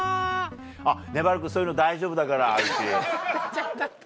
あっねばる君そういうの大丈夫だからうち。